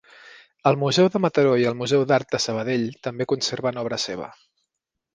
El Museu de Mataró i el Museu d'Art de Sabadell també conserven obra seva.